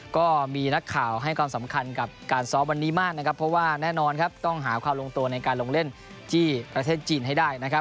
ก็มีนักข่าวให้ความสำคัญกับการซ้อมวันนี้มากนะครับเพราะว่าแน่นอนครับต้องหาความลงตัวในการลงเล่นที่ประเทศจีนให้ได้นะครับ